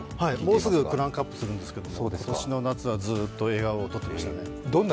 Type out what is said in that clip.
もうすぐクランクアップするんですが、今年の夏はずっと映画を撮っていましたね。